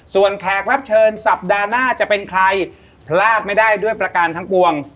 ส่วนแขกรับเชิญสัปดาห์หน้าจะเป็นใครพลาดไม่ได้ด้วยประการทั้งปวง